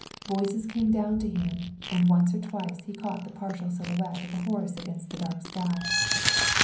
Voices came down to him, and once or twice he caught the partial silhouette of a horse against the dark sky.